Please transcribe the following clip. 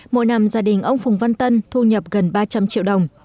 mỗi năm gia đình ông phùng văn tân thu nhập gần ba trăm linh triệu đồng